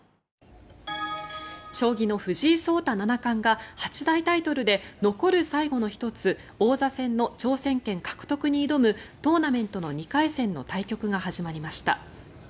将棋の藤井聡太七冠が八大タイトルで残る最後の１つ王座戦の挑戦権獲得に挑むトーナメントの２回戦の対局が始まりました。